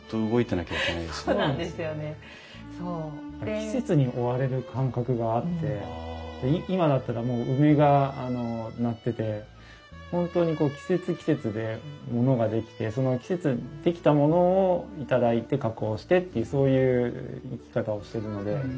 季節に追われる感覚があって今だったらもう梅がなってて本当に季節季節でものが出来てその季節に出来たものを頂いて加工してっていうそういう生き方をしてるので。